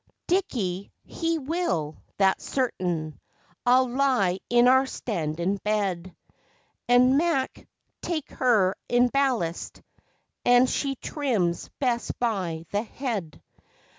(Dickie, he will, that's certain.) I'll lie in our standin' bed, An' Mac'll take her in ballast and she trims best by the head....